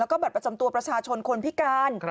แล้วก็บัตรประจำตัวประชาชนคนพิการ